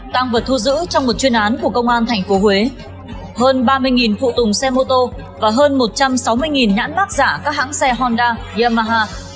tăng vật thu giữ trong một chuyên án của công an tp huế hơn ba mươi phụ tùng xe mô tô và hơn một trăm sáu mươi nhãn bác giả các hãng xe honda yamaha